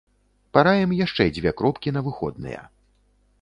Параім яшчэ дзве кропкі на выходныя.